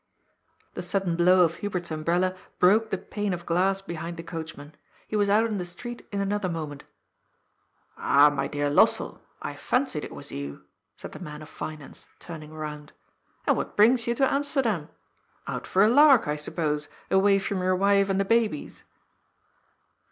The sudden blow of Hubert's umbrella broke the pane of glass behind the coachman. He was out in the street in another moment. " Ah, my dear Lossell, I fancied it was you," said the man of finance, turning around. " And what brings you to Amsterdam ? Out for a lark, I suppose, away from your wife and the babies